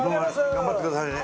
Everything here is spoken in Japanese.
頑張ってくださいね。